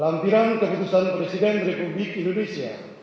lampiran keputusan presiden republik indonesia